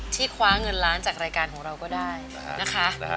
คว้าเงินล้านจากรายการของเราก็ได้นะคะ